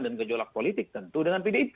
dan kejolak politik tentu dengan pdip